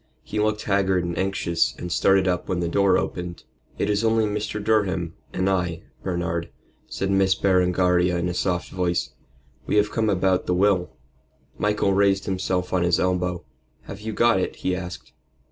He looked haggard and anxious, and started up when the door opened. "It is only Mr. Durham and I, Bernard," said Miss Berengaria in a soft voice. "We have come about the will." Michael raised himself on his elbow. "Have you got it?" he asked.